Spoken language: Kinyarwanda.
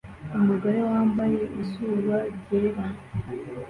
Umugore wambaye izuba ryera